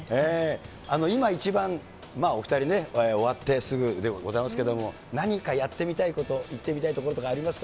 今、一番お２人ね、終わってすぐではございますけれども、何かやってみたいこと、行ってみたい所とかありますか？